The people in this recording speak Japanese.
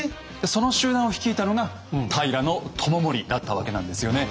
その集団を率いたのが平知盛だったわけなんですよね。